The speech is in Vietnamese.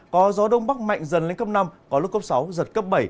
có gió đông bắc mạnh dần lên cấp năm có lúc cấp sáu giật cấp bảy